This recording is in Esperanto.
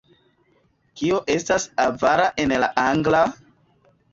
Kio estas avara en la angla?